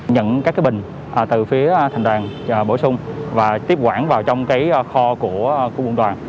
nhận các cái bình từ phía thành đoàn bổ sung và tiếp quản vào trong kho của công ước quân toàn